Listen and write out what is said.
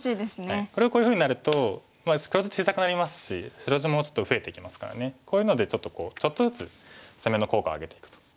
これをこういうふうになると黒地小さくなりますし白地もちょっと増えてきますからこういうのでちょっとずつ攻めの効果を上げていくと。